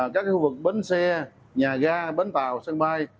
các khu vực bến xe nhà ga bến tàu sân bay